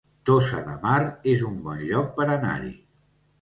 Tossa de Mar es un bon lloc per anar-hi